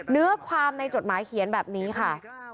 เนื้อความในจดหมายเขียนแบบนี้ค่ะ